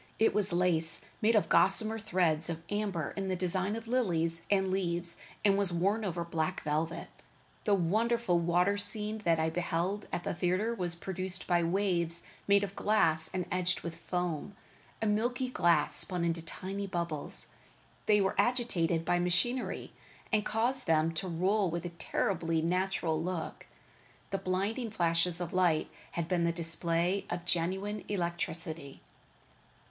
It was lace, made of gossamer threads of amber in the design of lilies and leaves, and was worn over black velvet. The wonderful water scene that I beheld at the theatre was produced by waves made of glass and edged with foam, a milky glass spun into tiny bubbles. They were agitated by machinery that caused them to roll with a terribly natural look. The blinding flashes of lightning had been the display of genuine electricity.